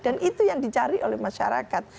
dan itu yang dicari oleh masyarakat